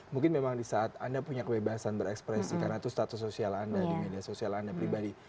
mungkin memang di saat anda punya kebebasan berekspresi karena itu status sosial anda di media sosial anda pribadi